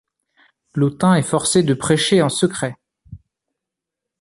Lotin est forcé de prêcher en secret.